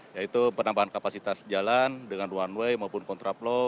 yaitu penambahan kapasitas jalan dengan one way maupun kontraplow